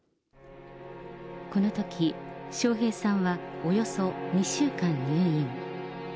このとき、笑瓶さんはおよそ２週間入院。